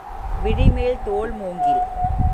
விழி வேல் தோள் மூங்கில்.